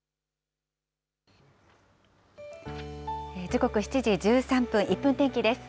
時刻７時１３分、１分天気です。